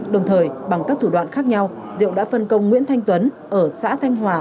đồng thời bằng các thủ đoạn khác nhau diệu đã phân công nguyễn thanh tuấn ở xã thanh hòa